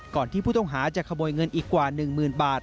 ก่อนที่ผู้ต้องหาจะขโมยเงินอีกกว่า๑๐๐๐บาท